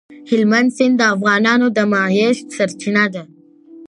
هلمند سیند د افغانانو د معیشت سرچینه ده.